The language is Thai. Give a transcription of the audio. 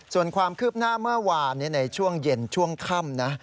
ส่วนความคืบหน้าเมื่อวานในช่วงเย็นช่วงค่ำนะ